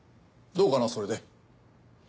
どうかなそれで。